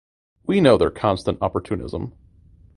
We know their constant opportunism.